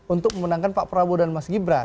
untuk memenangkan pak prabowo dan mas gibran